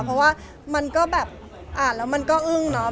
เพราะว่ามันก็แบบอ่านแล้วมันก็อึ้งเนาะ